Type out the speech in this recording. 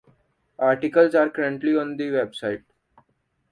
Articles are currently on the website.